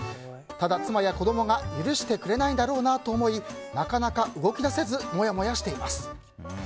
ただ、妻や子供が許してくれないだろうなと思いなかなか動き出せずもやもやしています。